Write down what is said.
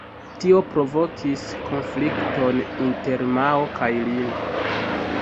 Tio provokis konflikton inter Mao kaj Lin.